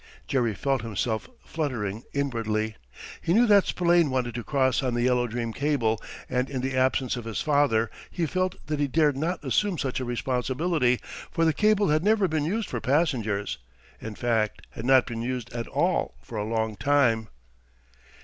Jerry felt himself fluttering inwardly. He knew that Spillane wanted to cross on the Yellow Dream cable, and in the absence of his father he felt that he dared not assume such a responsibility, for the cable had never been used for passengers; in fact, had not been used at all for a long time.